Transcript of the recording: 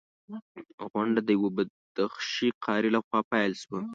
غونډه د یوه بدخشي قاري لخوا پیل شوه.